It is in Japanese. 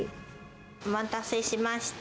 お待たせしました。